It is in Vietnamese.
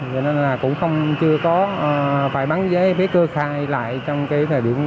cho nên là cũng không chưa có phải bán giấy vé cưa khai lại trong cái thời điểm này